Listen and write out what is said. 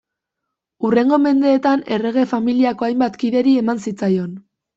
Hurrengo mendeetan errege familiako hainbat kideri eman zitzaion.